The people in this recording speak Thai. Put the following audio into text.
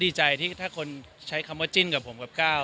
ดีใจที่ถ้าคนใช้คำว่าจิ้นกับผมกับก้าว